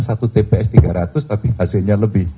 satu tps tiga ratus tapi hasilnya lebih